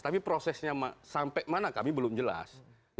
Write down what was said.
tapi prosesnya sampai mana kami belum jelas